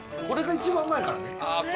これが一番うまいからね。